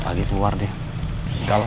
pagi keluar deh kalau